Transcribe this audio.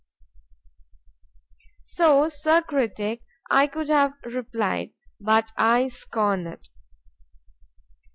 So, Sir Critick, I could have replied; but I scorn it.